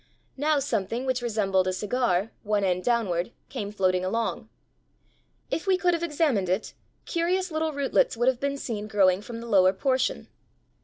Now something which resembled a cigar, one end downward, came floating along. If we could have examined it, curious little rootlets would have been seen growing from the lower portion.